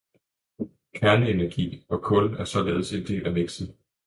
Kerneenergi og kul er således en del af mixet.